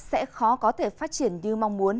sẽ khó có thể phát triển như mong muốn